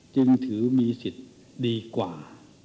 จึงถือมีสิทธิ์ดีกว่า